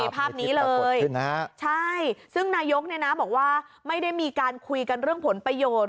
ภาพนี้เลยใช่ซึ่งนายกบอกว่าไม่ได้มีการคุยกันเรื่องผลประโยชน์